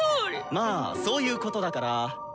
まあそういうことだから。